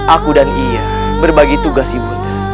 aku dan ia berbagi tugas ibunda